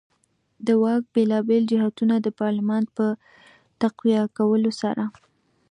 د واک بېلابېل جهتونه د پارلمان په تقویه کولو سره.